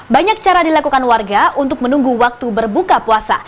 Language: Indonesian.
banyak cara dilakukan warga untuk menunggu waktu berbuka puasa